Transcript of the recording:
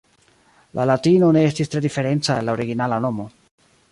La Latino ne estis tre diferenca el la originala nomo.